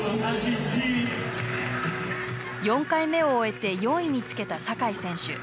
４回目を終えて４位につけた酒井選手。